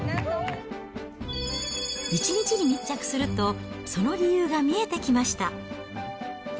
１日に密着すると、その理由が見えてきました。